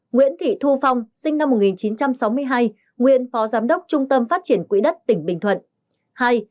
hai nguyễn thị thu phong sinh năm một nghìn chín trăm sáu mươi hai nguyên phó giám đốc trung tâm phát triển quỹ đất tỉnh bình thuận